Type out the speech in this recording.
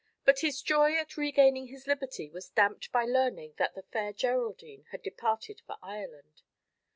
But his joy at regaining his liberty was damped by learning that the Fair Geraldine had departed for Ireland.